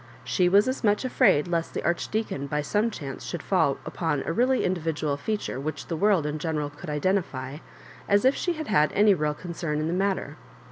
She was as much afraid lest the Archdeacon by some chance should fall upon a really hidividual feature which tlie world in general could identify, as if she had had any real concern in the matter.